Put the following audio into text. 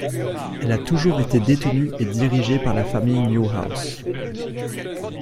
Elle a toujours été détenue et dirigée par la famille Neuhaus.